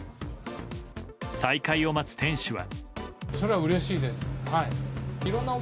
再開を待つ店主は。